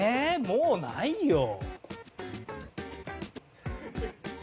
もうないよ。